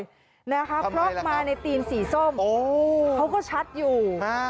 ทำอะไรล่ะครับโอ้โฮเขาก็ชัดอยู่